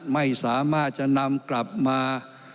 ไม่สามารถจะนำกลับมา